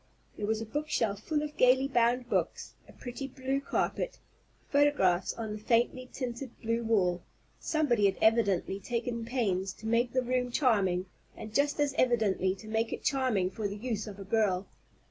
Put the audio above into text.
There was a book shelf full of gayly bound books, a pretty blue carpet, photographs on the faintly tinted blue wall, somebody had evidently taken pains to make the room charming, and just as evidently to make it charming for the use of a girl.